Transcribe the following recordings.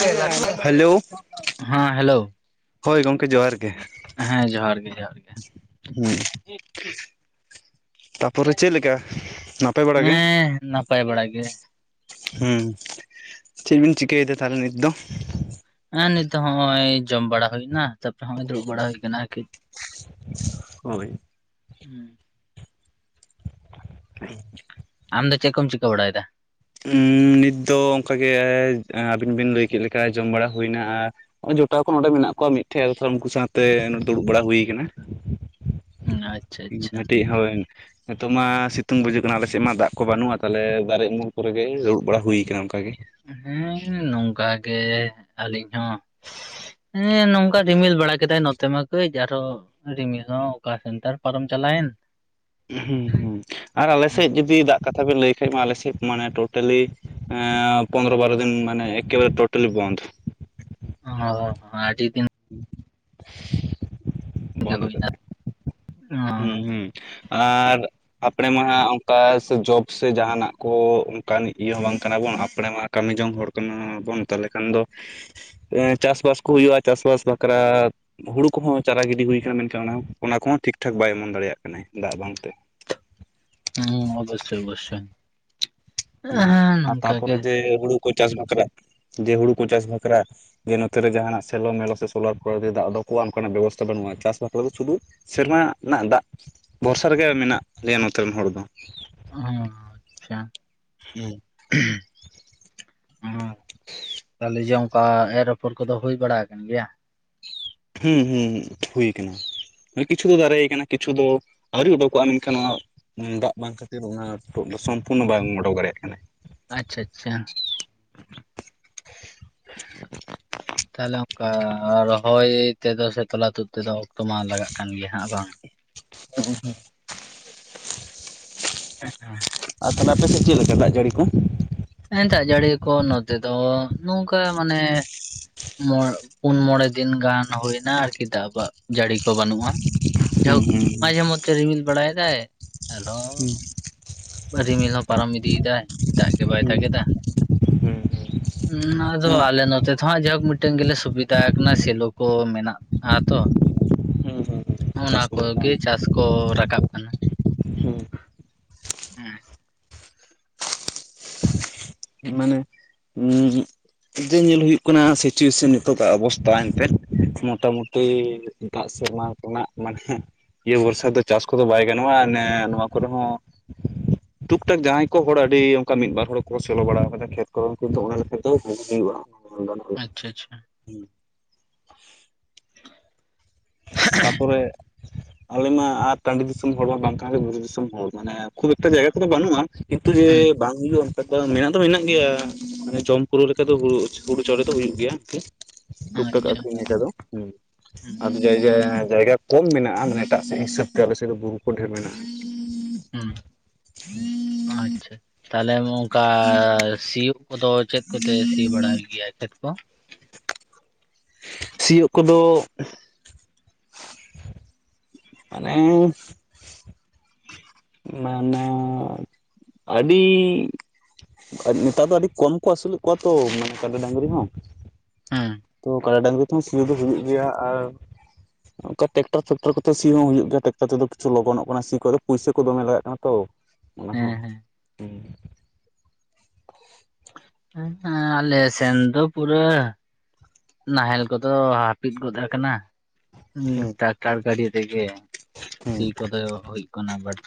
[unintelligible] Hello ᱦᱟᱸ hello ᱦᱳᱭ ᱜᱚᱝᱠᱮ ᱡᱚᱦᱟᱨ ᱜᱮ᱾ ᱦᱮᱸ ᱡᱚᱦᱟᱨ ᱜᱮ ᱡᱚᱦᱟᱨ ᱦᱩᱸ [inaudible] ᱛᱟᱯᱚᱨᱮ ᱜᱮ ᱪᱮᱜ ᱞᱮᱠᱟ ᱱᱟᱯᱟᱭ ᱵᱟᱲᱟ ᱜᱮ? ᱦᱮᱸ ᱱᱟᱯᱟᱭ ᱵᱟᱲᱟ ᱜᱮ ᱦᱩᱸ ᱪᱮᱜ ᱵᱤᱱ ᱪᱤᱠᱟᱹᱭᱫᱟ ᱛᱟᱦᱞᱮ ᱱᱤᱛ ᱫᱚ? ᱮᱸ ᱱᱤᱛᱚᱜ ᱦᱚᱸᱜᱚᱭ ᱡᱚᱢ ᱵᱟᱲᱟ ᱦᱩᱭᱱᱟ, ᱛᱟᱯᱚᱨᱮ ᱦᱚᱸᱜᱚᱭ ᱫᱩᱲᱩᱵ ᱵᱟᱲᱟ ᱦᱩᱭ ᱠᱟᱱᱟ ᱟᱨᱠᱤ᱾ ᱦᱳᱭ [inaudible] [inaudible] ᱟᱢ ᱫᱚ ᱪᱮᱜ ᱠᱚᱢ ᱪᱤᱠᱟᱹ ᱵᱟᱲᱟᱭᱫᱟ? ᱩᱸ ᱱᱤᱛ ᱫᱚ ᱚᱝᱠᱟᱜᱮ ᱟᱹᱵᱤᱱ ᱵᱤᱱ ᱞᱟᱹᱭ ᱠᱮᱜ ᱞᱮᱠᱟ ᱡᱚᱢ ᱵᱟᱲᱟ ᱦᱩᱭᱱᱟ, ᱟ ᱡᱚᱴᱟᱣ ᱠᱚ ᱱᱚᱸᱰᱮ ᱢᱮᱱᱟᱜ ᱠᱚᱣᱟ ᱢᱤᱫᱴᱷᱮᱡ ᱟᱫᱚ ᱛᱟᱦᱞᱮ ᱩᱝᱠᱩ ᱥᱟᱶᱛᱮ ᱱᱚᱸᱰᱮ ᱫᱩᱲᱩᱵ ᱵᱟᱲᱟ ᱦᱩᱭ ᱠᱟᱱᱟ᱾ ᱦᱩᱸ, ᱟᱪᱪᱷᱟ ᱟᱪᱪᱷᱟ ᱢᱤᱫᱴᱤᱡ ᱦᱳᱭ ᱱᱤᱛᱚᱜ ᱢᱟ ᱥᱤᱛᱩᱝ ᱵᱩᱡᱩᱜ ᱠᱟᱱᱟ ᱟᱞᱮᱥᱮᱜ ᱢᱟ ᱫᱟᱜ ᱠᱚ ᱵᱟᱹᱱᱩᱜᱼᱟ ᱛᱟᱦᱞᱮ ᱫᱟᱨᱮ ᱩᱢᱩᱞ ᱠᱚᱨᱮ ᱜᱮ ᱫᱩᱲᱩᱲ ᱵᱟᱲᱟ ᱦᱩᱭ ᱚᱝᱠᱟ ᱜᱮ᱾ ᱦᱩᱸ ᱱᱚᱝᱠᱟ ᱜᱮ ᱟᱞᱤᱧ ᱦᱚᱸ᱾ ᱦᱮᱸ ᱱᱚᱝᱠᱟ ᱨᱤᱢᱤᱞ ᱵᱟᱲᱟ ᱠᱮᱫᱟᱭ ᱱᱚᱛᱮ ᱢᱟ ᱠᱟᱹᱡ ᱟᱨᱚ ᱨᱤᱢᱤᱞ ᱦᱚᱸ ᱚᱠᱟ ᱥᱮᱱ ᱛᱟᱨ ᱯᱟᱨᱚᱢ ᱪᱟᱞᱟᱭᱮᱱ᱾ ᱦᱩᱸ ᱦᱩᱸ ᱟᱨ ᱟᱞᱮᱥᱮᱜ ᱡᱩᱫᱤ ᱫᱟᱜ ᱠᱟᱛᱷᱟ ᱵᱮᱱ ᱞᱟᱹᱭ ᱠᱷᱟᱡ ᱢᱟ ᱟᱞᱮᱥᱮᱫ ᱢᱟᱱᱮ ᱴᱳᱴᱟᱞᱤ ᱮᱸ ᱯᱚᱱᱮᱨᱚ ᱵᱟᱨᱚ ᱫᱤᱱ ᱢᱟᱱᱮ ᱮᱠᱮᱵᱟᱨ ᱴᱳᱴᱟᱞᱤ ᱵᱚᱱᱛᱷ᱾ ᱚ ᱟᱰᱤ ᱫᱤᱱ [inaudible] ᱯᱩᱡᱟᱹ ᱵᱚᱱᱫᱚ ᱦᱩᱭᱱᱟ᱾ ᱠᱟᱛᱮ ᱦᱩᱸ ᱦᱩᱸ ᱟᱨ ᱟᱯᱲᱮ ᱢᱟᱦᱟᱜ ᱚᱝᱠᱟ ᱡᱚᱵ ᱥᱮ ᱡᱟᱦᱟᱱᱟᱜ ᱠᱚ ᱚᱝᱠᱟᱱᱤᱡ ᱤᱭᱟᱹ ᱦᱚᱸ ᱵᱟᱝ ᱠᱟᱱᱟ ᱵᱚᱱ ᱟᱯᱲᱮ ᱢᱟ ᱠᱟᱹᱢᱤ ᱡᱚᱝ ᱦᱚᱲ ᱠᱟᱱᱟ ᱵᱚᱱ ᱛᱟᱦᱞᱮ ᱠᱷᱟᱱ ᱫᱚ ᱮ ᱪᱟᱥᱵᱟᱥ ᱠᱚ ᱦᱩᱭᱩᱜᱼᱟ ᱪᱟᱥᱵᱥ ᱵᱟᱠᱷᱨᱟ ᱦᱩᱲᱩ ᱠᱚᱦᱚᱸ ᱪᱟᱨᱟ ᱜᱤᱰᱤ ᱦᱩᱭ ᱠᱟᱱᱟ ᱢᱮᱱᱠᱷᱟᱱ ᱚᱱᱟ ᱦᱚᱸ ᱚᱱᱟ ᱠᱚᱦᱚᱸ ᱴᱷᱤᱠ ᱴᱷᱟᱠ ᱵᱟᱭ ᱚᱢᱚᱱ ᱫᱟᱲᱮᱭᱟᱜ ᱠᱟᱱᱟᱭ ᱫᱟᱜ ᱵᱟᱝ ᱛᱮ᱾ ᱦᱩᱸ ᱚᱵᱚᱥᱥᱚᱭ ᱚᱵᱚᱥᱥᱚᱭ ᱦᱩᱸ ᱦᱮᱸ ᱟᱨ ᱱᱚᱝᱠᱟ ᱜᱮ᱾ ᱛᱟᱯᱚᱨᱮ ᱡᱮ ᱦᱩᱲᱩ ᱠᱚ ᱪᱟᱥ ᱵᱟᱠᱷᱨᱟ ᱫᱤᱭᱮ ᱦᱩᱲᱩ ᱠᱚ ᱪᱟᱥ ᱵᱟᱠᱷᱨᱟ ᱡᱮ ᱱᱚᱛᱮ ᱨᱮ ᱡᱟᱦᱱᱟᱜ ᱥᱮᱞᱚ ᱢᱮᱞᱚ ᱥᱮ ᱥᱳᱞᱟᱨ ᱠᱚᱨᱮ ᱫᱤᱭᱮ ᱫᱟᱜ ᱩᱰᱩᱠᱚᱜᱼᱟ, ᱚᱝᱠᱟᱱᱟᱜ ᱵᱮᱵᱚᱥᱛᱷᱟ ᱵᱟᱹᱱᱩᱜᱼᱟ ᱪᱟᱥ ᱵᱟᱠᱷᱨᱟ ᱫᱚ ᱥᱩᱫᱷᱩ ᱥᱮᱨᱢᱟ ᱨᱮᱱᱟᱜ ᱫᱟᱜ ᱵᱷᱚᱨᱥᱟ ᱨᱮᱜᱮ ᱢᱮᱱᱟᱜ ᱞᱮᱭᱟ ᱱᱚᱛᱮ ᱨᱮᱱ ᱦᱚᱲ ᱫᱚ᱾ ᱦᱚᱸ ᱟᱪᱪᱷᱟ ᱦᱩᱸ [inaudible] ᱦᱩᱸ ᱛᱟᱦᱞᱮ ᱡᱮ ᱚᱝᱠᱟ ᱮᱨ ᱟᱯᱷᱚᱨ ᱠᱚᱫᱚ ᱦᱩᱭ ᱵᱟᱲᱟ ᱟᱠᱟᱱ ᱜᱮᱭᱟ? ᱦᱩᱸ ᱦᱩᱸ ᱦᱩᱸ ᱦᱩᱭ ᱠᱟᱱᱟ᱾ ᱠᱤᱪᱷᱩ ᱫᱚ ᱫᱟᱨᱮᱭ ᱠᱟᱱᱟ ᱠᱤᱪᱷᱩ ᱫᱚ ᱟᱹᱣᱨᱤ ᱩᱰᱩᱠᱚᱜᱼᱟ ᱢᱮᱱᱠᱷᱟᱱ ᱱᱚᱣᱟ ᱩᱸ ᱫᱟᱜ ᱵᱟᱝ ᱠᱷᱟᱹᱛᱤᱨ ᱚᱱᱟ ᱥᱚᱢᱯᱩᱨᱱᱚ ᱵᱟᱝ ᱚᱰᱚᱠ ᱫᱟᱲᱮᱭᱟᱜ ᱠᱟᱱᱟᱭ᱾ ᱟᱪᱪᱷᱟ ᱟᱪᱪᱷᱟ [inaudible] ᱛᱟᱦᱞᱮ ᱚᱝᱠᱟ ᱨᱚᱦᱚᱭ ᱛᱮᱫᱚ ᱥᱮ ᱛᱚᱞᱟ ᱛᱩᱫ ᱛᱮᱫᱚ ᱚᱠᱛᱚ ᱢᱟ ᱞᱟᱜᱟᱜ ᱠᱟᱱ ᱜᱮᱭᱟ ᱦᱟᱸᱜ ᱵᱟᱝ? [unintelligible] [inaudible] ᱟᱨ ᱛᱟᱦᱚᱞᱮ ᱟᱯᱮ ᱥᱮᱜ ᱪᱤᱜ ᱞᱮᱠᱟ ᱫᱟᱜ ᱡᱟᱹᱲᱤ ᱠᱩ? ᱮᱸ ᱫᱟᱜ ᱡᱟᱹᱲᱤ ᱠᱚ ᱱᱚᱛᱮ ᱫᱚ ᱱᱚᱝᱠᱟ ᱢᱟᱱᱮ ᱢᱚᱸᱲ ᱯᱩᱱ ᱢᱚᱬᱮ ᱫᱤᱱ ᱜᱟᱱ ᱦᱩᱭᱱᱟ ᱟᱨᱠᱤ ᱫᱟᱜ ᱵᱟ ᱡᱟᱹᱲᱤ ᱠᱚ ᱵᱟᱹᱱᱩᱜᱼᱟ᱾ ᱦᱩᱸ ᱡᱷᱟᱦᱳᱠ ᱢᱟᱡᱷᱮ ᱦᱩᱸ ᱢᱚᱫᱽᱫᱷᱮ ᱨᱤᱢᱤᱞ ᱵᱟᱲᱟᱭ ᱫᱟᱭ ᱟᱨᱚᱸ ᱨᱤᱢᱤᱞ ᱦᱚᱸ ᱯᱟᱨᱚᱢ ᱤᱫᱤ ᱮᱫᱟᱭ ᱫᱟᱜ ᱜᱮ ᱵᱟᱭ ᱫᱟᱜᱮᱫᱟ᱾ ᱩᱸ ᱟᱫᱚ ᱦᱩᱸ ᱟᱞᱮ ᱱᱚ ᱛᱮᱛᱷᱚ ᱦᱟᱸᱜ ᱡᱟᱭᱦᱳᱠ ᱢᱤᱴᱮᱝ ᱜᱮᱞᱮ ᱥᱩᱵᱤᱫᱟ ᱟᱠᱟᱱᱟ ᱥᱮᱞᱳ ᱠᱚ ᱢᱮᱱᱟᱜᱼᱟ ᱛᱚ᱾ ᱦᱩᱸ ᱚᱱᱟ ᱪᱟᱥ ᱠᱚ ᱜᱮ ᱪᱟᱥ ᱠᱚ ᱨᱟᱠᱟᱵ ᱠᱟᱱᱟ᱾ ᱩᱸ᱾ ᱤᱢᱟᱱᱮ ᱩᱸᱜ ᱡᱮ ᱧᱮᱞ ᱦᱩᱭᱩᱜ ᱠᱟᱱᱟ ᱥᱤᱪᱩᱭᱮᱥᱚᱱ ᱱᱤᱛᱚ ᱠᱟᱜ ᱚᱵᱚᱥᱛᱟ ᱮᱱᱛᱮ᱾ ᱦᱮᱸ ᱢᱚᱴᱟᱢᱩᱴᱤ ᱫᱟᱜ ᱥᱮᱨᱢᱟ ᱠᱚᱱᱟᱜ ᱢᱟᱱᱮ ᱤᱭᱟᱹ ᱵᱚᱨᱥᱟ ᱫᱚ ᱪᱟᱥ ᱠᱚᱫᱚ ᱵᱟᱭ ᱜᱟᱱᱚᱜᱼᱟ ᱱᱮ ᱱᱚᱣᱟ ᱠᱚᱨᱮ ᱦᱚᱸ ᱴᱩᱠᱼᱴᱟᱠ ᱡᱟᱦᱟᱸᱭ ᱠᱚ ᱦᱚᱲ ᱟᱹᱰᱤ ᱚᱱᱠᱟ ᱢᱤᱫ ᱵᱟᱨ ᱦᱳᱲᱳ ᱠᱚ ᱥᱮᱞᱳ ᱵᱟᱲᱟ ᱟᱠᱟᱫᱟ ᱠᱷᱮᱛ ᱠᱚ ᱩᱱᱠᱩ ᱫᱚ ᱚᱱᱟ ᱞᱮᱠᱟ ᱛᱟᱹᱭ ᱵᱷᱟᱜᱤ ᱜᱮ ᱦᱩᱭᱩᱜᱼᱟ᱾ [inaudible] ᱟᱸᱪᱪᱷᱟ ᱟᱪᱪᱷᱟ᱾ ᱦᱩᱸ᱾ ᱛᱟᱯᱚᱨᱮ ᱟᱞᱮ ᱢᱟ ᱟ ᱴᱟᱺᱰᱤ ᱫᱤᱥᱚᱢ ᱦᱚᱲ ᱢᱟ ᱵᱟᱝ ᱠᱟᱱᱞᱮ ᱵᱩᱨᱩ ᱫᱤᱥᱚᱢ ᱦᱚᱲ, ᱢᱟᱱᱮ ᱠᱷᱩᱵ ᱮᱠᱴᱟ ᱡᱟᱭᱜᱟ ᱠᱚᱫᱚ ᱵᱟᱹᱱᱩᱜᱼᱟ ᱠᱤᱱᱛᱩ ᱡᱮ ᱦᱮᱸ ᱵᱟᱝ ᱦᱩᱭᱩᱜᱼᱟ᱾ ᱠᱟᱫᱚ ᱢᱮᱱᱟᱜ ᱫᱚ ᱢᱮᱱᱟᱜ ᱜᱮᱭᱟ ᱢᱟᱱᱮ ᱡᱚᱢ ᱯᱩᱨᱟᱹᱣ ᱞᱮᱠᱟ ᱫᱚ ᱦᱩᱲᱩᱪ ᱦᱩᱲᱩ ᱪᱟᱣᱞᱮ ᱫᱚ ᱦᱩᱭᱩᱜ ᱜᱮᱭᱟ [inaudible] ᱴᱩᱠᱼᱴᱟᱠ ᱟᱪᱪᱷᱟ ᱟᱹᱠᱷᱨᱤᱧ ᱞᱮᱠᱟ ᱫᱚ, ᱦᱩᱸ᱾ ᱦᱩᱸ ᱟᱫᱚ ᱡᱟᱭᱜᱟ, ᱡᱟᱭᱜᱟ ᱠᱚᱢ ᱢᱮᱱᱟᱜᱼᱟ ᱢᱟᱱᱮ ᱮᱴᱟᱜ ᱥᱮᱜ ᱦᱤᱥᱟᱹᱵ ᱛᱮ ᱟᱞᱮ ᱥᱮ ᱫᱚ ᱵᱩᱨᱩ ᱠᱚ ᱰᱷᱮᱨ ᱢᱮᱱᱟᱜᱼᱟ᱾ ᱩᱸ, ᱟᱪᱪᱷᱟ ᱛᱟᱦᱚᱞᱮ ᱚᱱᱠᱟ ᱥᱤᱭᱳᱜ ᱠᱚᱫᱚ ᱪᱮᱫ ᱠᱚᱛᱮ ᱥᱤ ᱵᱟᱲᱟᱭ ᱜᱮᱭᱟ ᱠᱷᱮᱛ ᱠᱚ? ᱥᱤᱭᱳᱜ ᱠᱚᱫᱚ ᱟᱞᱮᱸ [inaudible] ᱢᱟᱱᱮ ᱟᱹᱰᱤ ᱟᱵ-ᱱᱮᱛᱟᱨ ᱫᱚ ᱟᱹᱰᱤ ᱠᱚᱢ ᱠᱚ ᱟᱹᱥᱩᱞᱮᱜ ᱠᱚᱣᱟ ᱛᱳ ᱢᱮᱱᱮ ᱠᱟᱫᱟ ᱰᱟᱹᱝᱨᱤ ᱦᱚᱸ ᱦᱩᱸ ᱛᱚ ᱠᱟᱰᱟ ᱰᱟᱝᱨᱤ ᱛᱮᱦᱚᱸ ᱥᱤᱭᱩ ᱫᱚ ᱦᱩᱭᱩᱜ ᱜᱮᱭᱟ, ᱟᱨ ᱚᱝᱠᱟ ᱴᱮᱠᱴᱟᱨᱼᱯᱷᱮᱠᱴᱚᱨ ᱠᱚᱛᱮ ᱥᱤ ᱦᱚᱸ ᱦᱩᱭᱩᱜ ᱜᱮᱭᱟ, ᱴᱮᱠᱴᱟᱨ ᱛᱮᱫᱚ ᱠᱤᱪᱷᱩ ᱞᱚᱜᱚᱱᱚᱜ ᱠᱟᱱᱟ ᱥᱤ ᱠᱚᱫᱚ ᱯᱩᱭᱥᱟᱹ ᱠᱚ ᱫᱚᱢᱮ ᱞᱟᱜᱟᱜ ᱠᱟᱱᱟ ᱛᱚ ᱚᱱᱟ ᱦᱮᱸ ᱦᱚᱸ, ᱦᱮᱸ ᱦᱩᱸ᱾ ᱦᱮᱸ ᱟᱞᱮ ᱥᱮᱱ ᱫᱚ ᱯᱩᱨᱟᱹ᱾ ᱱᱟᱦᱮᱞ ᱠᱚᱫᱚ ᱦᱟ-ᱦᱟᱹᱯᱤᱫ ᱜᱚᱫ ᱟᱠᱟᱱᱟ ᱩᱸ ᱦᱩᱸ ᱛᱟᱠ ᱴᱟᱨ ᱜᱟᱹᱰᱤ ᱟᱛᱮᱜᱮ ᱦᱩᱸ ᱥᱤ ᱠᱚᱫᱚ ᱦᱳᱭᱳᱜ ᱠᱟᱱᱟ ᱵᱟᱰ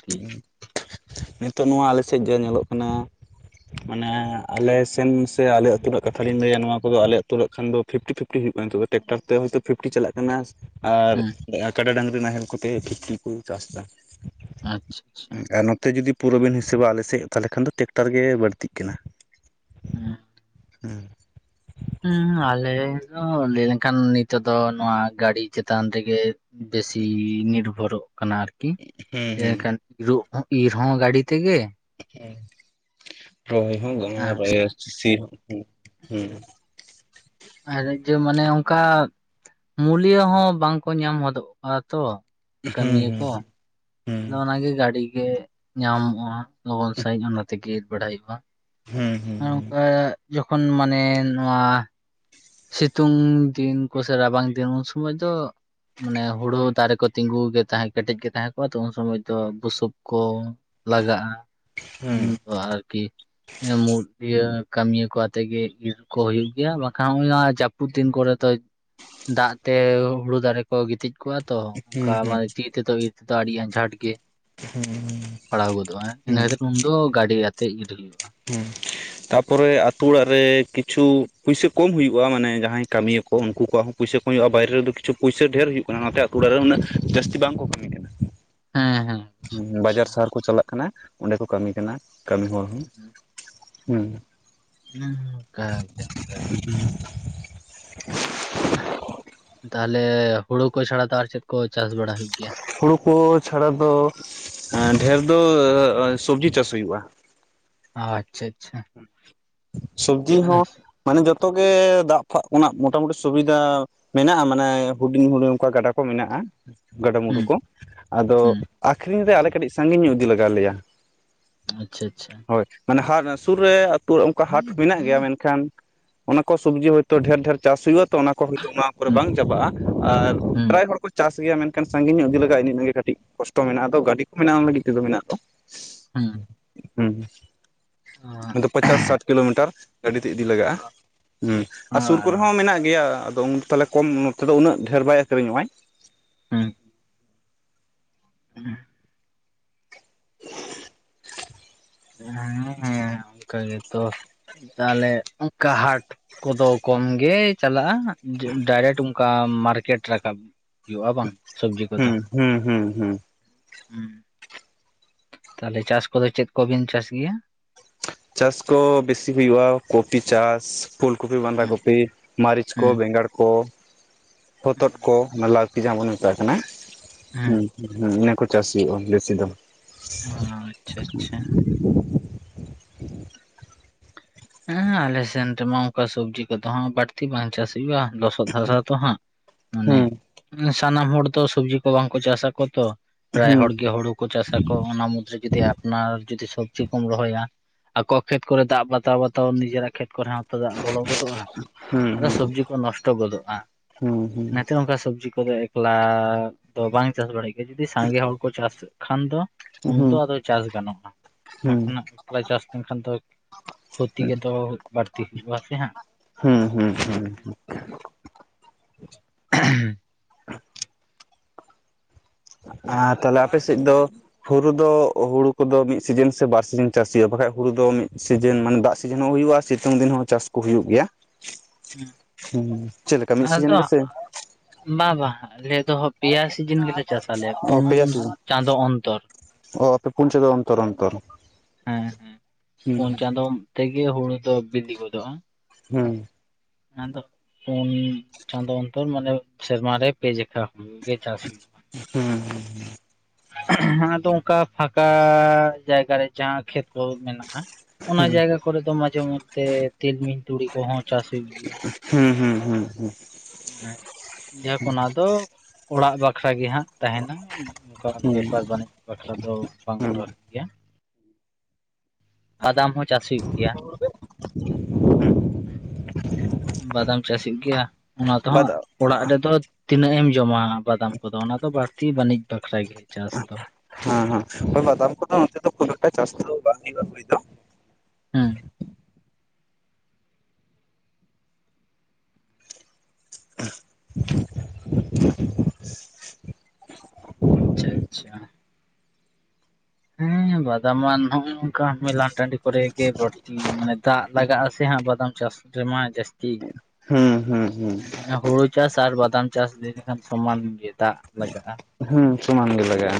[inaudible] ᱱᱤᱛᱚᱜ ᱱᱚᱣᱟ ᱟᱞᱮ ᱥᱮᱡ ᱜᱮ ᱧᱮᱞᱚᱜ ᱠᱟᱱᱟ᱾ ᱢᱟᱱᱮ ᱟᱞᱮ ᱥᱮᱱ ᱥᱮ ᱟᱞᱮ ᱟᱹᱛᱩ ᱨᱮᱱᱟᱜ ᱠᱟᱛᱷᱟ ᱞᱤᱧ ᱞᱟᱹᱭᱟ ᱱᱚᱣᱟ ᱠᱚᱫᱚ ᱟᱞᱮ ᱟᱹᱛᱩ ᱨᱮᱭᱟᱜ ᱠᱷᱟᱱ ᱫᱚ ᱯᱷᱤᱯᱴᱤᱼᱯᱷᱤᱯᱴᱤ ᱦᱩᱭᱩᱜ ᱠᱟᱱᱟ ᱱᱤᱛᱚᱜ ᱫᱚ ᱴᱮᱠᱴᱟᱨ ᱛᱮ ᱦᱚᱭᱛᱳ ᱯᱷᱤᱯᱴᱤ ᱪᱟᱞᱟᱜ ᱠᱟᱱᱟ᱾ ᱟᱨ ᱦᱮᱸ ᱠᱟᱰᱟ ᱰᱟᱹᱝᱨᱤ ᱱᱟᱦᱮᱞ ᱠᱚᱛᱮ ᱯᱷᱤᱯᱴᱤ ᱠᱩ ᱪᱟᱥ ᱫᱟ᱾ ᱟᱸᱪᱷ ᱪᱷᱤ ᱪᱷᱤ᱾ ᱩᱸ ᱟᱨ ᱱᱚᱛᱮ ᱡᱩᱫᱤ ᱯᱩᱨᱟᱹ ᱵᱤᱱ ᱦᱤᱥᱟᱹᱵᱟ ᱟᱞᱮᱥᱮ ᱛᱟᱦᱚᱞᱮ ᱠᱷᱟᱱ ᱫᱚ ᱴᱮᱠᱴᱟᱨ ᱜᱮ ᱵᱟᱹᱲᱛᱤᱜ ᱠᱟᱱᱟ᱾ ᱩᱸ᱾ ᱦᱩᱸ᱾ ᱩᱢ ᱟᱞᱮ ᱫᱚ ᱞᱟᱹᱭ ᱞᱮᱱᱠᱷᱟᱱ ᱱᱤᱛᱚᱜ ᱫᱚ ᱱᱚᱣᱟ ᱜᱟᱹᱰᱤ ᱪᱮᱛᱟᱱ ᱛᱮᱜᱮ᱾ ᱵᱮᱥᱤ ᱱᱤᱨᱵᱷᱚᱨᱚᱜ ᱠᱟᱱᱟ ᱟᱨ ᱠᱤ ᱦᱩᱸ ᱦᱩᱸ ᱮᱱᱠᱷᱟᱱ ᱤᱨᱩᱜ ᱦᱚᱸ ᱤᱨ ᱦᱚᱸ ᱜᱟᱹᱰᱤ ᱛᱮᱜᱮ᱾ ᱦᱩᱸ, ᱨᱚᱦᱚᱭ ᱦᱳᱸ ᱟᱨ [inaudible] ᱥᱤ ᱦᱚᱸ, ᱦᱩᱸ᱾ ᱟᱨ ᱡᱮ ᱢᱟᱱᱮ ᱚᱝᱠᱟ ᱢᱩᱞᱤ ᱦᱚᱸ ᱵᱟᱝᱠᱚ ᱧᱟᱢ ᱦᱚᱫᱚᱜᱼᱟ ᱛᱚ᱾ ᱩᱸᱜᱽᱼᱦᱩᱸ ᱦᱩᱸ ᱦᱩᱸ᱾ ᱱᱚᱜᱼᱱᱚᱣᱟ ᱜᱮ, ᱜᱟᱹᱰᱤ ᱜᱮ ᱧᱟᱢᱚᱜᱼᱟ, ᱦᱟᱸᱜ, ᱞᱚᱜᱚᱱ ᱥᱟᱺᱦᱤᱡ ᱚᱱᱟ ᱛᱮᱜᱮ ᱵᱟᱰᱟᱭᱚᱜᱼᱟ ᱾ ᱦᱩᱸ, ᱦᱩᱸ ᱦᱩᱸ ᱾ ᱡᱚᱠᱷᱚᱱ ᱢᱟᱱᱮ ᱱᱚᱣᱟ, ᱥᱤᱛᱩᱝ ᱫᱤᱱ ᱠᱚ ᱥᱮ, ᱨᱟᱵᱟᱝ ᱫᱤᱱ ᱩᱱ ᱥᱚᱢᱚᱭ ᱫᱚ, ᱢᱟᱱᱮ ᱦᱳᱲᱳ ᱫᱟᱨᱮ ᱠᱚ, ᱛᱤᱸᱜᱩ ᱜᱮ, ᱛᱟᱦᱮᱸ ᱠᱮᱴᱮᱡ ᱜᱮ, ᱛᱟᱦᱮᱸ ᱠᱚᱜᱼᱟ ᱛᱚ, ᱩᱱ ᱥᱚᱢᱚᱭ ᱫᱚ ᱵᱩᱥᱩᱵ ᱠᱚ, ᱞᱟᱜᱟᱜᱼᱟ ᱾ ᱦᱩᱸ [unintelligible] [unintelligible] ᱮ ᱢᱩ ᱤᱭᱟᱹ ᱠᱟᱹᱢᱤᱭᱟᱹ ᱠᱚ ᱟᱛᱮ ᱜᱮ, ᱤᱨ ᱠᱚ ᱦᱩᱭᱩᱜ ᱜᱮᱭᱟ, ᱵᱟ ᱛᱟᱦᱩᱸ ᱱᱚᱣᱟ ᱡᱟᱹᱯᱩᱫ ᱫᱤᱱ ᱠᱚᱨᱮ ᱫᱚ, ᱫᱟᱜ ᱛᱮ ᱦᱳᱲᱳ ᱫᱟᱨᱮ, ᱠᱚ ᱜᱤᱛᱤᱡ ᱠᱚᱜᱼᱟ ᱛᱚ, ᱚᱝᱠᱟ ᱦᱩᱸ ᱢᱟᱱᱮ ᱛᱤ ᱛᱮᱫᱚ ᱤᱨ ᱛᱮᱫᱚ, ᱟᱹᱰᱤ ᱟᱸᱡᱷᱟᱴ ᱜᱮ ᱦᱩᱸ ᱾ ᱯᱟᱲᱦᱟᱣ ᱜᱚᱫᱚᱜᱼᱟ ᱾ ᱤᱱᱟᱹ ᱦᱩᱸ ᱠᱷᱟᱹᱛᱤᱨ ᱩᱱᱫᱚ ᱜᱟᱹᱰᱤ ᱟᱛᱮ ᱜᱮ, ᱤᱨ ᱦᱩᱭᱩᱜᱼᱟ ᱾ ᱦᱩᱸ [unintelligible] [inaudible] ᱛᱟᱯᱚᱨᱮ, ᱟᱹᱛᱩ ᱚᱲᱟᱜ ᱨᱮ ᱠᱤᱪᱷᱩ ᱯᱩᱭᱥᱟᱹ ᱠᱚᱢ ᱦᱩᱭᱩᱜᱼᱟ ᱾ ᱢᱟᱱᱮ ᱡᱟᱦᱟᱸᱭ ᱠᱟᱹᱢᱤᱭᱟ ᱠᱚ, ᱩᱱᱠᱩ ᱠᱚᱣᱟᱜ ᱦᱚᱸ ᱾ ᱯᱚᱭᱥᱟᱹ ᱠᱚ ᱦᱩᱭᱩᱜᱼᱟ ᱾ ᱵᱟᱭᱨᱮ ᱨᱮᱫᱚ ᱠᱤᱪᱷᱩ ᱯᱩᱭᱥᱟᱹ ᱰᱷᱮᱨ ᱦᱩᱭᱩᱜ ᱠᱟᱱᱟ ᱾ ᱚᱱᱟᱛᱮ ᱟᱹᱛᱩ ᱚᱲᱟᱜ ᱨᱮ, ᱩᱱᱟᱹᱜ ᱡᱟᱹᱥᱛᱤ ᱵᱟᱝ ᱠᱚ ᱠᱟᱹᱢᱤ ᱠᱟᱱᱟ᱾ ᱾ ᱦᱮᱸ ᱦᱮᱸ ᱩᱸᱼ, ᱵᱟᱡᱟᱨ ᱥᱟᱦᱟᱨ ᱠᱚ ᱪᱟᱞᱟᱜ ᱠᱟᱱᱟ ᱾ ᱚᱸᱰᱮ ᱠᱚ ᱠᱟᱹᱢᱤ ᱠᱟᱱᱟ, ᱠᱟᱹᱢᱤ ᱦᱚᱲ ᱦᱚᱸ ᱾ ᱦᱩᱸ ᱾ ᱦᱩᱸ, ᱚᱱᱠᱟ ᱜᱮ, ᱚᱝᱠᱟ ᱡᱷᱚ ᱾ ᱟᱼᱦ, ᱛᱟᱦᱚᱞᱮ ᱦᱳᱲᱳ ᱠᱚ, ᱪᱷᱟᱲᱟ ᱟᱨ ᱪᱮᱫ ᱠᱩ ᱪᱟᱥ ᱵᱟᱲᱟ ᱦᱩᱭᱩᱜ ᱜᱮᱭᱟ ᱾ ᱦᱳᱲᱳᱩ ᱠᱚ ᱪᱷᱟᱲᱟ ᱫᱚ, ᱮᱸᱼ ᱰᱷᱮᱨ ᱫᱚᱼᱚ-ᱚ, ᱥᱚᱵᱡᱤ ᱪᱟᱥ ᱦᱩᱭᱩᱜᱼᱟ ᱾ ᱟᱼ ᱪᱷᱟ, ᱪᱷᱟ ᱾ ᱥᱚᱵᱽᱡᱤ ᱦᱚᱸ ᱢᱟᱱᱮ, ᱡᱚᱛᱚ ᱜᱮ ᱫᱟᱜ ᱯᱷᱟᱜ ᱠᱷᱚᱱᱟᱜ, ᱢᱚᱴᱟᱢᱩᱴᱤ ᱥᱩᱵᱤᱫᱷᱟ ᱢᱮᱱᱟᱜᱼᱟ ᱾ ᱢᱟᱱᱮ ᱦᱩᱰᱤᱧ ᱦᱩᱰᱤᱧ ᱚᱱᱠᱟ ᱜᱟᱰᱟ ᱠᱚ ᱢᱮᱱᱟᱜᱼᱟ ᱾ ᱜᱟᱰᱟᱢᱩᱰᱩ ᱦᱩᱸ ᱠᱚ, ᱟᱫᱚ ᱦᱩᱸ ᱟᱠᱷᱨᱤᱧ ᱨᱮ ᱟᱞᱮ ᱠᱟᱹᱴᱤᱡ ᱥᱟᱺᱜᱤᱧ ᱧᱚᱜ, ᱤᱫᱤ ᱞᱟᱜᱟᱣ ᱞᱮᱭᱟ ᱾ ᱟᱼᱪᱷᱟ, ᱪᱷᱟ ᱾ ᱦᱳᱭ, ᱢᱟᱱᱮ ᱦᱟ ᱥᱩᱨ ᱨᱮ ᱟᱹᱛᱩ ᱦᱟᱴ ᱢᱮᱱᱟᱜ ᱜᱮᱭᱟ ᱢᱮᱱᱠᱷᱟᱱ, ᱚᱱᱟ ᱠᱚ ᱥᱚᱵᱽᱡᱤ ᱦᱚᱭ ᱛᱚ, ᱰᱷᱮᱨ ᱰᱷᱮᱨ ᱪᱟᱥ ᱦᱩᱭᱩᱜᱼᱟ ᱾ ᱛᱚ, ᱚᱱᱟ ᱠᱚ ᱦᱚᱭᱛᱚ, ᱚᱱᱟ ᱠᱚᱨᱮ ᱦᱩᱸ ᱵᱟᱝ ᱪᱟᱵᱟᱜᱼᱟ ᱾ ᱟᱨ ᱯᱨᱟᱭ ᱦᱩᱸ ᱦᱚᱲ ᱠᱚ ᱪᱟᱥ ᱜᱮᱭᱟ ᱢᱮᱱᱠᱷᱟᱱ, ᱥᱟᱺᱜᱤᱧ ᱧᱚᱜ ᱤᱫᱤ ᱞᱮᱟᱜᱟᱼᱟ ᱾ ᱤᱱᱤ ᱤᱱᱟᱹ ᱜᱮ ᱠᱟᱹᱴᱤᱡ ᱠᱚᱥᱴᱚ ᱢᱮᱱᱟᱜᱼᱟ ᱾ ᱟᱫᱚ ᱜᱟᱹᱰᱤ ᱠᱚ ᱢᱮᱱᱟᱜ, ᱚᱱᱟ ᱞᱟᱹᱜᱤᱫ ᱛᱮᱫᱚ, ᱢᱮᱱᱟᱜ ᱫᱚ ᱾ ᱥᱤ ᱥᱤ ᱦᱩᱸ ᱦᱩᱸ ᱦᱩᱸᱦᱩᱸ, ᱟᱫᱚ ᱯᱟᱪᱟᱥ ᱥᱟᱴ ᱠᱤᱞᱳᱢᱤᱴᱟᱨ ᱾ ᱜᱟᱹᱰᱤ ᱛᱮ ᱤᱫᱤ ᱞᱟᱜᱟᱜᱼᱟ ᱾ ᱩᱸᱜ ᱟᱨ ᱥᱩᱨ ᱠᱚᱨᱮ ᱦᱚᱸ ᱢᱮᱱᱟᱜ ᱜᱮᱭᱟ, ᱟᱫᱚ ᱩᱸ ᱛᱟᱦᱚᱞᱮ, ᱠᱚᱢ ᱱᱚᱛᱮ [unintelligible] ᱫᱚ ᱩᱱᱟᱹᱜ ᱰᱷᱮᱨ ᱵᱟᱭ ᱟᱹᱠᱷᱨᱤᱧᱚᱜᱼᱟᱭ ᱾ ᱦᱩᱸ [unintelligible] ᱳᱸᱼᱮᱸᱻ, ᱮᱸ ᱚᱱᱠᱟ ᱜᱮᱛᱚ ᱾ ᱛᱟᱦᱚᱞᱮ, ᱚᱱᱠᱟ ᱦᱟᱴ ᱠᱚᱫᱚ ᱠᱚᱢ ᱜᱮ ᱪᱟᱞᱟᱜᱼᱟ ᱾ ᱰᱟᱭᱨᱮᱠᱴ ᱚᱱᱠᱟ ᱢᱟᱨᱠᱮᱴ ᱨᱟᱠᱟᱵ ᱦᱩᱭᱩᱜᱼᱟ ᱵᱟᱝ? ᱥᱚᱵᱽᱡᱤ ᱠᱚᱫᱚ ᱦᱩᱸ ᱦᱩᱸ ᱦᱩᱸ ᱦᱩᱸ ᱾ ᱦᱩᱸᱻ, ᱛᱟᱦᱟᱞᱮ, ᱪᱟᱥ ᱠᱚᱫᱚ ᱪᱮᱫ ᱠᱚᱵᱤᱱ ᱪᱟᱥ ᱜᱮᱭᱟ? ᱪᱟᱥ ᱠᱚ ᱵᱮᱥᱤ ᱦᱩᱭᱩᱜᱼᱟ ᱾ ᱠᱚᱯᱤ ᱪᱟᱥ, ᱯᱷᱩᱞ ᱠᱚᱯᱤ, ᱵᱟᱸᱫᱟ ᱦᱮᱸ ᱠᱚᱯᱤ, ᱢᱟᱹᱨᱤᱪ ᱠᱚ, ᱦᱮᱸ ᱵᱮᱸᱜᱟᱲ ᱠᱚ, ᱦᱚᱛᱚᱫ ᱠᱚ, ᱚᱱᱟ ᱞᱟᱹᱣᱠᱤ ᱡᱟᱦᱟᱸ ᱵᱚᱱ ᱢᱮᱛᱟᱜ ᱠᱟᱱᱟ ᱾ ᱦᱮᱸ ᱦᱮᱸᱼ ᱦ, ᱤᱱᱟᱹ ᱠᱚ ᱪᱟᱥ ᱦᱩᱭᱩᱜᱼᱟ, ᱵᱮᱥᱤ ᱫᱚ ᱾ ᱟᱻ, ᱪᱷᱟ, ᱟᱪᱪᱷᱟ ᱾ ᱦᱮᱸᱻ, ᱟᱞᱮᱥᱮᱱ ᱨᱮᱢᱟ, ᱚᱱᱠᱟ ᱥᱚᱵᱽᱡᱤ ᱠᱚᱫᱚ ᱵᱟᱹᱲᱛᱤ ᱵᱟᱝ ᱪᱟᱥ ᱦᱩᱭᱩᱜᱼᱟ ᱾ ᱫᱚ ᱞᱚᱛᱚᱫ ᱦᱟᱥᱟ ᱛᱚ ᱦᱟᱸᱜ, ᱢᱟᱱᱮ ᱦᱩᱸ ᱥᱟᱱᱟᱢ ᱦᱚᱲ ᱛᱚ ᱥᱚᱵᱽᱡᱤ ᱠᱚ ᱵᱟᱝᱠᱚ ᱪᱟᱥ ᱟᱠᱚ ᱛᱚ ᱾ ᱯᱮᱨᱟᱭ ᱦᱩᱸ ᱦᱚᱲᱜᱮ, ᱦᱳᱲᱳ ᱠᱚ ᱪᱟᱥ ᱟᱠᱚ, ᱚᱱᱟ ᱢᱩᱫᱽᱨᱮ ᱡᱩᱫᱤ ᱚᱱᱟ ᱡᱩᱫᱤ ᱥᱚᱵᱽᱡᱤ ᱠᱚᱢ ᱨᱚᱦᱚᱭᱟ ᱾ ᱟᱠᱚ ᱠᱷᱮᱛ ᱠᱚᱨᱮ, ᱫᱟᱜ ᱵᱟᱛᱟᱣ ᱵᱟᱛᱟᱣ, ᱱᱤᱡᱮᱨᱟᱜ ᱠᱷᱮᱛ ᱠᱚᱨᱮ ᱦᱚ, ᱸ ᱫᱟᱜ ᱵᱚᱞᱚ ᱜᱚᱫᱚᱜᱼᱟ ᱦᱩᱸ ᱾ ᱦᱩᱸ ᱟᱫᱚ ᱥᱚᱵᱽᱡᱤ ᱠᱚ ᱱᱚᱥᱴᱚ ᱜᱚᱫᱚᱜᱼᱟ ᱦᱩᱸ ᱾ ᱚᱱᱟᱛᱮ ᱚᱱᱠᱟ ᱥᱚᱵᱽᱡᱤ ᱛᱚᱵᱮ ᱮᱠᱞᱟ ᱫᱚ ᱵᱟᱝ ᱪᱟᱥ ᱵᱟᱲᱟ ᱜᱮᱭᱟ, ᱡᱩᱫᱤ? ᱥᱟᱸᱜᱮ ᱦᱚᱲ ᱠᱚ ᱪᱟᱥ ᱠᱷᱟᱱ ᱫᱚ ᱩᱱᱫᱚ ᱦᱩᱸ ᱟᱫᱚ ᱪᱟᱥ ᱜᱟᱱᱚᱜᱼᱟ ᱾ ᱵᱟᱠᱷᱟᱱᱟᱜ, ᱮᱠᱞᱟ ᱪᱟᱥ ᱞᱮᱱᱠᱷᱟᱱ ᱫᱚ ᱠᱷᱚᱛᱤ ᱜᱮ ᱛᱟᱵᱚ ᱵᱟᱹᱲᱛᱤ ᱦᱩᱭᱩᱜᱼᱟ, ᱥᱮ ᱦᱟᱸᱜ ᱾ ᱦᱩᱸ, ᱦᱩᱸ ᱦᱩᱸ ᱾ ᱮᱜᱼᱦᱮᱻᱻᱢ ᱾ [inaudible] ᱟᱨ ᱛᱟᱦᱚᱞᱮ ᱟᱯᱮ ᱥᱮᱫ ᱫᱚ ᱦᱩᱨᱩ ᱫᱚ ᱦᱩᱲᱩ ᱠᱚᱫᱚ ᱢᱤᱫ ᱥᱤᱡᱟᱱ ᱥᱮ ᱵᱟᱨ ᱥᱤᱡᱟᱱ ᱪᱟᱥ ᱦᱩᱭᱩᱜᱼᱟ ᱵᱟᱠᱷᱟᱡ ᱦᱩᱲᱩ ᱫᱚ ᱢᱤᱫ ᱥᱤᱡᱮᱱ ᱢᱟᱱᱮ ᱫᱟᱜ ᱥᱤᱡᱮᱱ ᱦᱚᱸ ᱦᱩᱭᱩᱜᱼᱟ ᱥᱤᱛᱩᱝ ᱫᱤᱱ ᱦᱚᱸ ᱪᱟᱥ ᱠᱚ ᱦᱩᱭᱩᱜ ᱜᱮᱭᱟ᱾ ᱦᱮᱸ ᱪᱮᱫ ᱞᱮᱠᱟ ᱢᱤᱫ ᱥᱤᱡᱤᱱ ᱟᱫᱚ ᱜᱮᱥᱮ? ᱵᱟᱝ ᱵᱟᱝ ᱟᱞᱮ ᱫᱚ ᱯᱮᱭᱟ ᱥᱤᱡᱤᱱ ᱜᱮᱞᱮ ᱪᱟᱥᱟᱞᱮ, ᱚ ᱯᱩᱱ ᱯᱮᱭᱟ ᱥᱤᱡᱤᱱ ᱪᱟᱸᱫᱳ ᱚᱱᱛᱚᱨ᱾ ᱚ ᱟᱯᱮ ᱯᱩᱱ ᱪᱟᱫᱚᱸ ᱚᱱᱛᱚᱨ ᱚᱱᱛᱚᱨ᱾ ᱦᱮᱸ ᱦᱮᱸ ᱯᱩᱱ ᱦᱩᱸ ᱪᱟᱸᱫᱳ ᱛᱮᱜᱮ ᱦᱩᱲᱩ ᱫᱚ ᱵᱤᱞᱤ ᱜᱚᱫᱚᱜᱼᱟ᱾ ᱦᱩᱸ ᱟᱫᱚ ᱯᱩᱱ ᱪᱟᱸᱫᱳ ᱚᱱᱛᱚᱨ ᱢᱟᱱᱮ ᱥᱮᱨᱢᱟᱨᱮ ᱯᱮ ᱡᱮᱠᱷᱟ ᱦᱩᱲᱩᱜᱮ ᱪᱟᱹᱥᱤ ᱦᱩᱭᱩᱜᱼᱟ᱾ ᱦᱩᱸ ᱟᱫᱚ ᱚᱱᱠᱟ ᱯᱷᱟᱠᱟ ᱡᱟᱭᱜᱟ ᱨᱮ ᱡᱟᱦᱟᱸ ᱠᱷᱮᱛ ᱛᱚ ᱢᱮᱱᱟᱜᱼᱟ᱾ ᱚᱱᱟ ᱡᱟᱭᱜᱟ ᱠᱚᱨᱮ ᱫᱚ ᱢᱟᱡᱷᱮ ᱢᱚᱫᱽᱛᱮ ᱛᱤᱞᱢᱤᱧ ᱛᱩᱲᱤ ᱠᱚᱦᱚᱸ ᱪᱟᱥ ᱦᱩᱭᱩᱜ ᱜᱮᱭᱟ᱾ ᱦᱩᱸ ᱦᱩᱸ ᱦᱩᱸ ᱦᱩᱸ ᱦᱮᱸ ᱡᱟᱠ ᱚᱱᱟ ᱫᱚ ᱚᱲᱟᱜ ᱵᱟᱠᱷᱨᱟ ᱜᱮ ᱦᱟᱸᱜ᱾ ᱛᱟᱦᱮᱱᱟ ᱚᱱᱠᱟ ᱦᱩᱸ ᱵᱮᱯᱟᱨ ᱵᱟᱹᱱᱤᱡᱽ ᱵᱟᱠᱷᱨᱟ ᱫᱚ ᱵᱟᱝ ᱠᱚ ᱦᱩᱸ ᱨᱚᱦᱚᱭ ᱜᱮᱭᱟ᱾ ᱟᱫᱟᱢ ᱦᱚᱸ ᱪᱟᱥ ᱦᱩᱭᱩᱜ ᱜᱮᱭᱟ᱾ ᱵᱟᱫᱟᱢ ᱪᱟᱥ ᱦᱩᱭᱩᱜ ᱜᱮᱭᱟ᱾ ᱚᱱᱟ ᱛᱮᱦᱚᱸ ᱵᱟᱫᱟᱢ ᱚᱲᱟᱜ ᱨᱮᱫᱚ ᱛᱤᱱᱟᱹᱜ ᱮᱢ ᱡᱚᱢᱟ ᱵᱟᱫᱟᱢ ᱠᱚᱫᱚ, ᱚᱱᱟ ᱫᱚ ᱵᱟᱹᱲᱛᱤ ᱵᱟᱹᱱᱤᱡ ᱵᱟᱠᱷᱨᱟ ᱜᱮ ᱪᱟᱥ ᱫᱚ᱾ ᱦᱮᱸ ᱦᱮᱸ ᱵᱟᱫᱟᱢ ᱠᱚᱫᱚ ᱱᱚᱛᱮ ᱫᱚ ᱠᱚᱱᱳᱴᱟ ᱪᱟᱥ ᱫᱚ ᱵᱟᱝ ᱦᱩᱭᱩᱜᱼᱟ ᱦᱩᱭ ᱫᱚ᱾ ᱦᱮᱸ [inaudible] ᱟᱪᱪᱷᱟ ᱟᱪᱪᱷᱟ ᱦᱮᱸ ᱵᱟᱫᱟᱢᱟ ᱱᱚᱝᱠᱟ ᱢᱮᱞᱟ ᱴᱟᱺᱰᱤ ᱠᱚᱨᱮ ᱜᱮ ᱵᱟᱹᱲᱛᱤ ᱢᱟᱱᱮ ᱫᱟᱜ ᱞᱟᱜᱟᱜ ᱟᱥᱮ ᱦᱟᱸᱜ ᱵᱟᱫᱟᱢ ᱪᱟᱥ ᱨᱮᱢᱟ ᱡᱟᱹᱥᱛᱤ᱾ ᱦᱩᱸ ᱦᱩᱸ ᱦᱩᱸ ᱢᱟᱱᱮ ᱦᱩᱲᱩ ᱪᱟᱥ ᱟᱨ ᱵᱟᱫᱟᱢ ᱪᱟᱥ ᱞᱟᱹᱭ ᱞᱮᱠᱷᱟᱱ ᱥᱚᱢᱟᱱ ᱜᱮ ᱫᱟᱜ ᱞᱟᱜᱟᱜᱼᱟ᱾ ᱦᱮᱸ ᱥᱚᱢᱟᱱ ᱜᱮ ᱞᱟᱜᱟᱜᱼᱟ᱾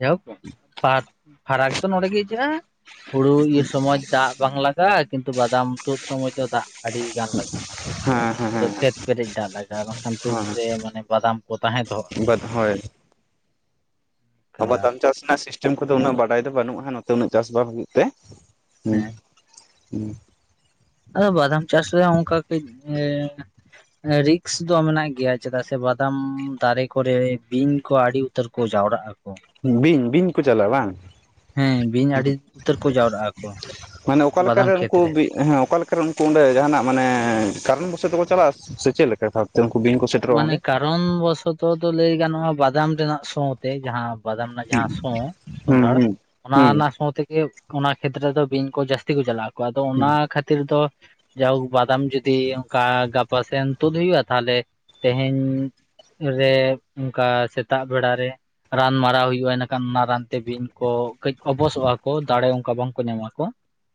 ᱡᱟᱭᱦᱳᱠ ᱯᱷᱟᱨ ᱯᱷᱟᱨᱟᱠ ᱫᱚ ᱱᱚᱰᱮ ᱜᱮ ᱟᱹᱭᱠᱟᱹᱜᱼᱟ ᱦᱩᱲᱩ ᱤᱨ ᱥᱚᱢᱚᱭ ᱫᱟᱜ ᱵᱟᱝ ᱞᱟᱜ ᱜᱟᱜᱼᱟ ᱠᱤᱱᱛᱩ ᱵᱟᱫᱟᱢ ᱛᱩᱫ ᱥᱚᱢᱚᱭ ᱫᱚ ᱫᱟᱜ ᱟᱹᱰᱤᱜᱟᱱ ᱞᱟᱜᱟᱜᱼᱟ᱾ ᱦᱮᱸ ᱦᱮᱸ ᱯᱩᱨᱟᱹ ᱦᱮᱸ ᱠᱷᱮᱛ ᱯᱮᱨᱮᱡ ᱫᱟᱜ ᱞᱟᱜᱟᱜᱼᱟ᱾ ᱵᱟᱝᱠᱷᱟᱱ ᱛᱩᱫᱽ ᱨᱮ ᱢᱟᱱᱮ ᱵᱟᱫᱟᱢ ᱠᱚ ᱛᱟᱦᱮᱸ ᱫᱚᱦᱚᱜᱼᱟ᱾ ᱵᱟᱫᱽ ᱦᱳᱭ ᱠᱟᱱᱟ᱾ ᱟᱵᱟᱫᱟᱢ ᱪᱟᱥ ᱨᱮᱱᱟᱜ ᱥᱤᱥᱴᱮᱢ ᱠᱚᱫᱚ ᱩᱱᱟᱹᱜ ᱵᱟᱰᱟᱭ ᱫᱚ ᱵᱟᱹᱱᱩᱜᱼᱟ᱾ ᱱᱚᱛᱮ ᱩᱱᱟᱹᱜ ᱪᱟᱥ ᱵᱟᱝ ᱦᱩᱭᱩᱜ ᱛᱮ᱾ ᱦᱮᱸ ᱦᱮᱸ ᱟᱫᱚ ᱵᱟᱫᱟᱢ ᱪᱟᱥ ᱨᱮ ᱚᱱᱠᱟ ᱠᱟᱹᱡ ᱮ ᱨᱤᱠᱥ ᱫᱚ ᱢᱮᱱᱟᱜ ᱜᱮᱭᱟ᱾ ᱪᱮᱫᱟᱜ ᱥᱮ ᱵᱟᱫᱟᱢ ᱫᱟᱨᱮ ᱠᱚᱨᱮ ᱵᱤᱧ ᱠᱚ ᱟᱹᱰᱤ ᱩᱛᱟᱹᱨ ᱠᱚ ᱡᱟᱣᱨᱟᱜᱼᱟ᱾ ᱵᱤᱧ ᱵᱤᱧ ᱠᱚ ᱪᱟᱞᱟᱜᱼᱟ ᱵᱟᱝ᱾ ᱦᱮᱸ ᱵᱤᱧ ᱟᱹᱰᱤ ᱩᱛᱟᱹᱨ ᱠᱚ ᱡᱟᱣᱨᱟᱜᱼᱟ ᱠᱚ ᱢᱟᱱᱮ ᱚᱠᱟ ᱵᱟᱫᱟᱢ ᱞᱮᱠᱟᱨᱮ ᱠᱷᱮᱛ ᱨᱮ ᱩᱱᱠᱩ ᱵᱤᱜ ᱦᱮᱸ ᱚᱠᱟᱞᱮᱠᱟᱨᱮ ᱩᱱᱠᱩ ᱚᱸᱰᱮ ᱡᱟᱦᱟᱸᱱᱟᱜ ᱢᱟᱱᱮ ᱠᱟᱨᱚᱱ ᱵᱚᱥᱚ ᱛᱮᱠᱚ ᱪᱟᱞᱟᱜᱼᱟ ᱥᱮ ᱪᱮᱫ ᱞᱮᱠᱟ [unintelligible] ᱛᱮ ᱩᱱᱠᱩ ᱵᱤᱧ ᱠᱚ ᱥᱮᱴᱮᱨᱚᱜᱼᱟ ᱢᱟᱱᱮ ᱚᱸᱰᱮ ᱠᱟᱨᱚᱱ ᱵᱚᱥᱚᱛᱚ ᱫᱚ ᱞᱟᱹᱭ ᱜᱟᱱᱚᱜᱼᱟ᱾ ᱵᱟᱫᱟᱢ ᱨᱮᱱᱟᱜ ᱥᱚᱸ ᱛᱮ ᱡᱟᱦᱟᱸ ᱵᱟᱫᱟᱢ ᱨᱮᱱᱟᱜ ᱦᱩᱸ ᱡᱟᱦᱟᱸ ᱥᱚᱸ ᱥᱚᱸᱫᱷᱟᱲ ᱦᱩᱸ ᱚᱱᱟ ᱦᱩᱸ ᱨᱮᱱᱟᱜ ᱥᱚᱸ ᱛᱮᱜᱮ ᱚᱱᱟ ᱠᱷᱮᱛᱨᱮ ᱫᱚ ᱵᱤᱧ ᱠᱚ ᱡᱟᱹᱥᱛᱤ ᱠᱚ ᱪᱟᱞᱟᱜ ᱟᱠᱚ ᱟᱫᱚ ᱚᱱᱟ ᱠᱷᱟᱹᱛᱤᱨ ᱫᱚ ᱡᱟᱹᱣᱦᱳᱠ ᱵᱟᱫᱟᱢ ᱡᱩᱫᱤ ᱚᱱᱠᱟ ᱜᱟᱯᱟ ᱥᱮᱱ ᱛᱩᱫ ᱦᱩᱭᱩᱜᱼᱟ ᱛᱟᱦᱚᱞᱮ ᱛᱮᱦᱮᱧ ᱨᱮ ᱚᱱᱠᱟ ᱥᱮᱛᱟᱜ ᱵᱮᱲᱟ ᱨᱮ ᱨᱟᱱ ᱢᱟᱨᱟᱣ ᱦᱩᱭᱩᱜᱼᱟ᱾ ᱤᱱᱟᱹᱠᱷᱟᱱ ᱚᱱᱟ ᱨᱟᱱᱛᱮ ᱵᱤᱱ ᱠᱚ ᱠᱟᱹᱡ ᱚᱵᱚᱥᱚᱜᱼᱟ ᱠᱚ ᱫᱟᱲᱮ ᱚᱱᱠᱟ ᱵᱟᱝᱠᱚ ᱧᱟᱢᱟᱠᱚ᱾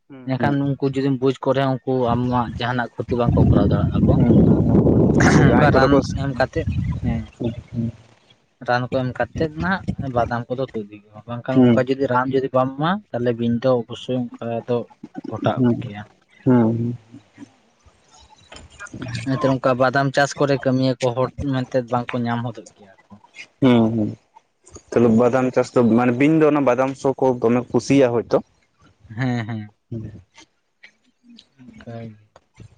ᱦᱩᱸ ᱮᱱᱰᱮᱠᱷᱟᱱ ᱦᱩᱸ ᱩᱱᱠᱩ ᱡᱩᱫᱤᱢ ᱵᱩᱡᱽ ᱠᱚᱨᱮ ᱨᱮᱦᱚᱸ ᱩᱱᱠᱩ ᱟᱢᱟᱜ ᱡᱟᱦᱟᱸᱱᱟᱜ ᱠᱷᱚᱛᱤ ᱵᱟᱝᱠᱚ ᱠᱚᱨᱟᱣ ᱫᱟᱲᱮᱭᱟᱜᱼᱟ ᱠᱚ᱾ [unintelligible] ᱚᱠᱟ ᱨᱟᱱ ᱮᱢ ᱠᱟᱛᱮᱫ ᱦᱮᱸ ᱨᱟᱱ ᱠᱚ ᱮᱢ ᱠᱟᱛᱮᱫ ᱱᱟᱦᱟᱸᱜ ᱵᱟᱫᱟᱢ ᱠᱚᱫᱚ ᱛᱩᱫ ᱤᱫᱤ ᱦᱩᱭᱩᱜᱼᱟ ᱵᱟᱝᱠᱷᱟᱱ ᱦᱩᱸ ᱚᱱᱠᱟ ᱡᱩᱫᱤ ᱨᱟᱱ ᱡᱩᱫᱤ ᱵᱟᱢ ᱮᱢᱟ ᱛᱟᱦᱚᱞᱮ ᱵᱤᱧ ᱫᱚ ᱚᱵᱚᱥᱥᱳᱭ ᱚᱱᱠᱟ ᱫᱚ ᱜᱷᱚᱴᱟᱜ ᱦᱮᱸ ᱜᱮᱭᱟ ᱦᱮᱸ ᱦᱮᱸ ᱱᱮᱛᱟᱨ ᱚᱱᱠᱟ ᱵᱟᱫᱟᱢ ᱪᱟᱥ ᱠᱚᱨᱮ ᱠᱟᱹᱢᱤᱭᱟᱹ ᱠᱚ ᱦᱚᱲ ᱢᱮᱱᱛᱮᱫ ᱵᱟᱝᱠᱚ ᱧᱟᱢ ᱦᱚᱫᱚᱜ ᱜᱮᱭᱟ ᱠᱚ᱾ ᱦᱩᱸ ᱦᱩᱸ ᱛᱚᱞᱮ ᱵᱟᱫᱟᱢ ᱪᱟᱥ ᱫᱚ ᱢᱟᱱᱮ ᱵᱤᱧ ᱫᱚ ᱚᱱᱟ ᱵᱟᱫᱟᱢᱥᱚ ᱠᱚ ᱫᱚᱢᱮ ᱠᱩᱥᱤᱭᱟᱜᱼᱟ ᱦᱚᱭᱛᱚ᱾ ᱦᱮᱸ ᱦᱮᱸ ᱦᱮᱸ ᱚᱱᱠᱟᱭ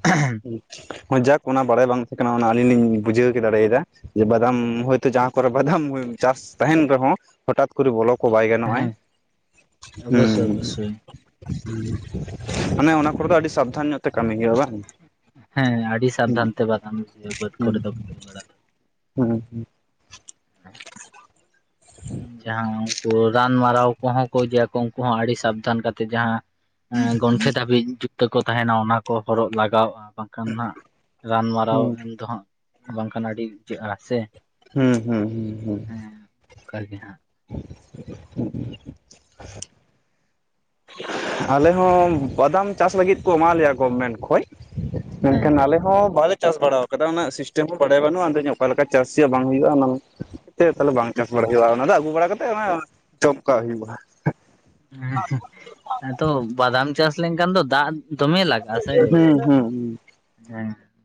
ᱜᱮ ᱦᱚᱸ ᱡᱟᱠ ᱚᱱᱟ ᱵᱟᱲᱟᱭ ᱵᱟᱝ ᱛᱟᱦᱮᱸ ᱠᱟᱱᱟ ᱚᱱᱟ ᱟᱹᱞᱤᱧ ᱞᱤᱧ ᱵᱩᱡᱷᱟᱹᱣ ᱠᱮ ᱫᱟᱲᱮᱭᱟᱫᱟ᱾ ᱡᱮ ᱵᱟᱫᱟᱢ ᱦᱚᱳᱭᱛᱳ ᱡᱟᱦᱟᱸ ᱠᱚᱨᱮ ᱵᱟᱫᱟᱢ ᱪᱟᱥ ᱛᱟᱦᱮᱱ ᱨᱮᱦᱚᱸ ᱦᱚᱴᱟᱛ ᱯᱩᱠᱩᱨᱤ ᱵᱚᱞᱚ ᱠᱚ ᱵᱟᱭ ᱜᱟᱱᱚᱜᱼᱟᱭ ᱦᱮᱸ ᱦᱚᱸ ᱚᱵᱚᱥᱥᱳᱭ ᱦᱮᱸ ᱚᱵᱚᱥᱥᱳᱭ ᱢᱟᱱᱮ ᱚᱱᱟ ᱠᱚᱨᱮ ᱫᱚ ᱟᱹᱰᱤ ᱥᱟᱵᱽᱫᱷᱟᱱ ᱧᱚᱜ ᱛᱮ ᱠᱟᱹᱢᱤ ᱜᱮᱭᱟ ᱵᱟᱝ ᱦᱮᱸ ᱟᱹᱰᱤ ᱥᱟᱵᱽᱫᱷᱟᱱ ᱦᱩᱸ ᱛᱮ ᱵᱟᱫᱟᱱ ᱵᱟᱹᱫᱽ ᱠᱚᱨᱮ ᱫᱚ [unintelligible] ᱦᱮᱸ ᱦᱮᱸ ᱦᱮᱸ ᱡᱟᱦᱟᱸ ᱩᱱᱠᱩ ᱨᱟᱱᱢᱟᱨᱟᱣ ᱠᱚᱦᱚᱸ ᱠᱚ ᱦᱤᱡᱩᱜ ᱟᱠᱚ ᱩᱱᱠᱩ ᱦᱚᱸ ᱟᱹᱰᱤ ᱥᱟᱵᱽᱫᱷᱟᱱ ᱠᱟᱛᱮᱜ ᱡᱟᱦᱟᱸ ᱮᱸ ᱜᱚᱱᱴᱷᱮ ᱫᱷᱟᱹᱵᱤᱡ ᱡᱩᱛᱟᱹ ᱠᱚ ᱛᱟᱦᱮᱱᱟ ᱚᱱᱟ ᱠᱚ ᱦᱚᱨᱚᱜ ᱞᱟᱜᱟᱣᱼᱟ ᱵᱟᱝ᱾ ᱠᱷᱟᱱ ᱦᱟᱸᱜ ᱨᱟᱱᱢᱟᱨᱟᱣ ᱦᱩᱸ ᱮᱢ ᱫᱚ ᱦᱟᱸᱜ ᱵᱟᱝᱠᱷᱟᱱ ᱟᱹᱰᱤᱵᱩᱡᱟᱹᱜᱼᱟ ᱥᱮ᱾ ᱦᱩᱸ ᱦᱩᱸ ᱦᱩᱸ ᱦᱩᱸ [unintelligible] ᱜᱮ ᱦᱟᱸᱜ᱾ [inaudible] ᱟᱞᱮ ᱦᱚᱸ ᱵᱟᱫᱟᱢ ᱪᱟᱥ ᱞᱟᱹᱜᱤᱫ ᱠᱚ ᱮᱢᱟᱞᱮᱭᱟ ᱜᱚᱨᱢᱮᱱᱴ ᱠᱷᱚᱡ᱾ ᱢᱮᱱᱠᱷᱟᱱ ᱟᱞᱮ ᱦᱚᱸ ᱵᱟᱞᱮ ᱪᱟᱥ ᱵᱟᱲᱟ ᱚᱠᱟᱴᱟ ᱚᱱᱟ ᱥᱤᱥᱴᱮᱢ ᱦᱚᱸ ᱵᱟᱰᱟᱭ ᱵᱟᱹᱱᱩᱜᱼᱟ᱾ ᱟᱫᱚ ᱚᱠᱟᱞᱮᱠᱟ ᱪᱟᱥ ᱦᱩᱭᱩᱜᱼᱟ ᱵᱟᱝ ᱦᱩᱭᱩᱜᱼᱟ ᱚᱱᱟ ᱛᱮᱫ ᱛᱟᱦᱚᱞᱮ ᱵᱟᱝ ᱪᱟᱥ ᱵᱟᱲᱟᱭ ᱦᱩᱭᱩᱜᱼᱟ᱾ ᱚᱱᱟ ᱫᱚ ᱟᱹᱜᱩ ᱵᱟᱲᱟ ᱠᱟᱛᱮ [unintelligible] ᱪᱚᱯ ᱠᱟᱜ ᱦᱩᱭᱩᱜᱼᱟ᱾ ᱦᱮᱸ ᱟᱫᱚ ᱵᱟᱫᱟᱢ ᱪᱟᱥ ᱞᱮᱱᱠᱷᱟᱱ ᱫᱚ ᱫᱟᱜ ᱫᱚᱢᱮ ᱞᱟᱜᱟᱜ ᱟ᱾ ᱥᱮ ᱦᱩᱸ ᱦᱩᱸ ᱦᱩᱸ ᱦᱮᱸ